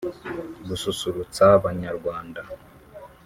gususurutsa banyarwanda